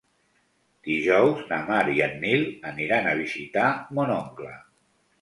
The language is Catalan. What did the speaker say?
Dijous na Mar i en Nil aniran a visitar mon oncle.